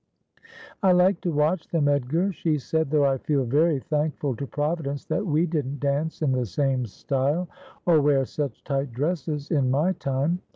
' I like to watch them, Edgar,' she said, ' though I feel very thankful to Providence that we didn't dance in the same style, or wear such tight dresses, in my time.